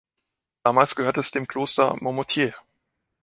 Damals gehörte es dem Kloster Marmoutier.